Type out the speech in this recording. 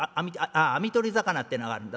「ああ網取り魚ってのがあるんだ。